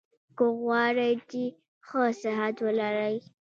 که غواړی چي ښه صحت ولرئ؟